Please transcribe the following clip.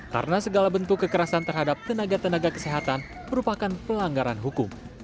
karena segala bentuk kekerasan terhadap tenaga tenaga kesehatan merupakan pelanggaran hukum